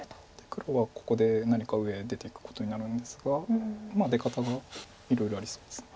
黒はここで何か上へ出ていくことになるんですが出方がいろいろありそうです。